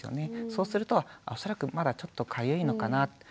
そうすると恐らくまだちょっとかゆいのかなって。